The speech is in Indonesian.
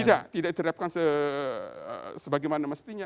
tidak tidak diterapkan sebagaimana mestinya